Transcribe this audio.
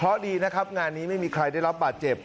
เพราะดีนะครับงานนี้ไม่มีใครได้รับบาดเจ็บ